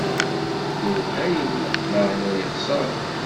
D lwehayem, meεna yexser.